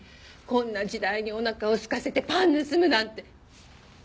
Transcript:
こんな時代におなかをすかせてパン盗むなんて。